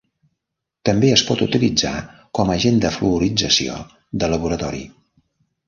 També es pot utilitzar com a agent de fluorització de laboratori.